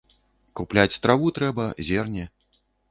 Купляць траву трэба, зерне.